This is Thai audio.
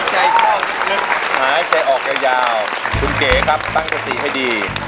หายใจออกยาวคุณเก๋ครับตั้งสถิติให้ดี